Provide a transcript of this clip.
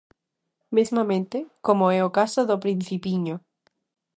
Mesmamente, como é o caso d'O principiño.